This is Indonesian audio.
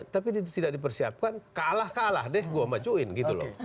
tapi tidak dipersiapkan kalah kalah deh gue majuin gitu loh